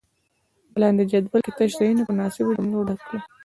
په لاندې جدول کې تش ځایونه په مناسبو جملو ډک کړئ.